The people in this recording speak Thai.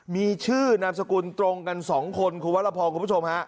มีชื่อนามสกุลตรงกัน๒คนคุณวรพรคุณผู้ชมฮะ